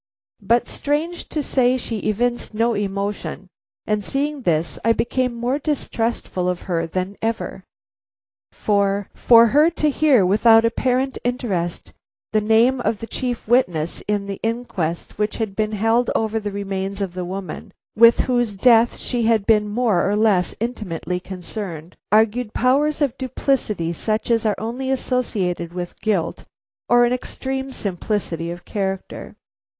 But strange to say she evinced no emotion, and seeing this, I became more distrustful of her than ever; for, for her to hear without apparent interest the name of the chief witness in the inquest which had been held over the remains of the woman with whose death she had been more or less intimately concerned, argued powers of duplicity such as are only associated with guilt or an extreme simplicity of character.